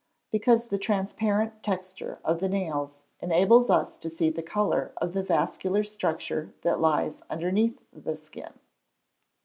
_ Because the transparent texture of the nails enables us to see the colour of the vascular structure that lies underneath the skin.